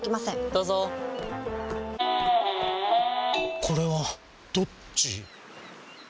どうぞこれはどっち？